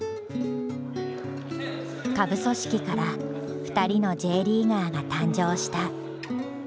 下部組織から２人のＪリーガーが誕生した。